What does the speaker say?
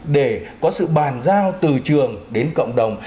để có sự bàn giao từ trường đến cộng đồng